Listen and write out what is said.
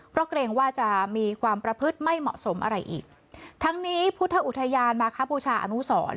เพราะเกรงว่าจะมีความประพฤติไม่เหมาะสมอะไรอีกทั้งนี้พุทธอุทยานมาคบูชาอนุสร